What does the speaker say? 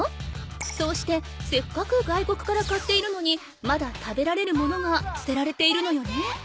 そうしてせっかく外国から買っているのにまだ食べられるものがすてられているのよね。